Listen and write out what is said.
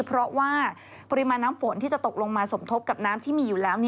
เพราะว่าปริมาณน้ำฝนที่จะตกลงมาสมทบกับน้ำที่มีอยู่แล้ว